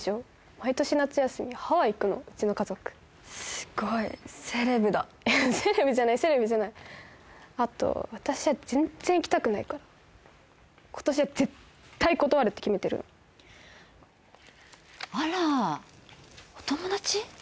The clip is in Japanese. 毎年夏休みハワイ行くのうちの家族すごいセレブだセレブじゃないセレブじゃないあと私は全然行きたくないから今年は絶対断るって決めてるのあらお友達？